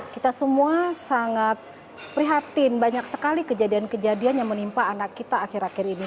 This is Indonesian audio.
kita semua sangat prihatin banyak sekali kejadian kejadian yang menimpa anak kita akhir akhir ini